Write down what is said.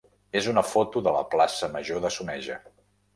és una foto de la plaça major de Soneja.